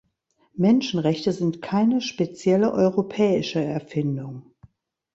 Menschenrechte sind keine spezielle europäische Erfindung.